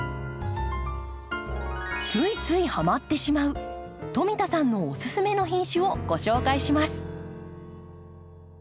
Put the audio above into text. ついついハマってしまう富田さんのおすすめの品種をご紹介します。